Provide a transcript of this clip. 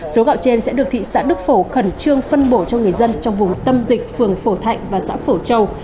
số gạo trên sẽ được thị xã đức phổ khẩn trương phân bổ cho người dân trong vùng tâm dịch phường phổ thạnh và xã phổ châu